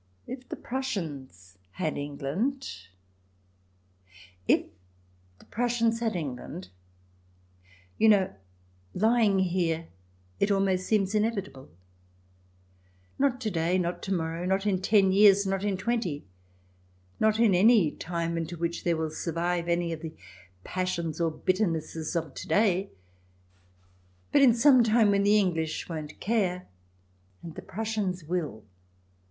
If the Prussians had England. ... If the Prussians had England ... you know, lying here it almost seems inevitable. Not to day, not to morrow, not in ten years, not in twenty, not in any time into which there will survive any of the passions or bitternesses of to day, but in some time when the English won't care and the Prussians will.